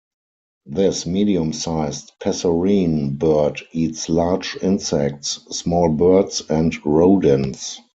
This medium-sized passerine bird eats large insects, small birds and rodents.